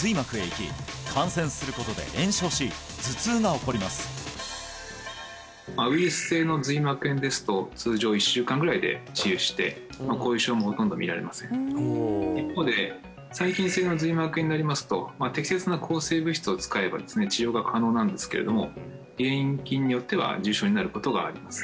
おウイルス性の髄膜炎ですと通常１週間ぐらいで治癒して後遺症もほとんど見られません一方で細菌性の髄膜炎になりますと適切な抗生物質を使えばですね治療が可能なんですけれども原因菌によっては重症になることがあります